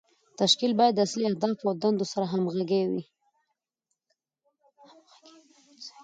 تشکیل باید د اصلي اهدافو او دندو سره همغږی وي.